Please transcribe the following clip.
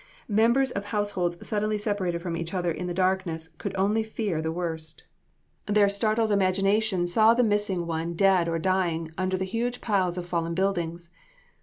Members of households suddenly separated from each other in the darkness, could only fear the worst. [Illustration: LOUISVILLE TORNADO FALLS CITY HALL.] Their startled imagination saw the missing one dead or dying under the huge piles of fallen buildings.